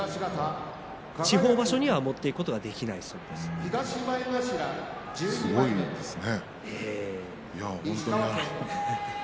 地方場所には持っていくことがすごいですね。